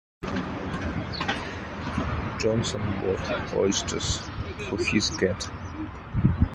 Johnson bought oysters for his cat.